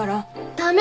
駄目！